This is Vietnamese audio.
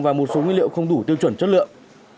và một số nguyên liệu không đủ tiêu chuẩn chất lượng